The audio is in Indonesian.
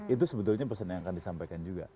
itu sebetulnya pesan yang akan disampaikan juga